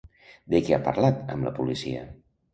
De què ha parlat amb la policia?